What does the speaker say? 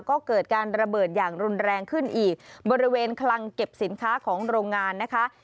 ก็เกิดการระเบิดอย่างรุนแรงขึ้นอีกบริเวณคลังเก็บสินค้าของโรงงานนะคะ